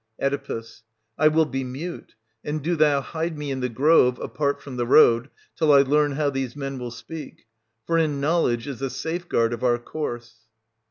Oe. I will be mute, — and do thou hide me in the grove, apart from the road, till I learn how these men will speak ; for in knowledge is the safeguard of our course.